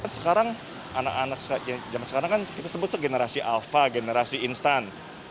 sekarang anak anak zaman sekarang kan kita sebut generasi alpha generasi instan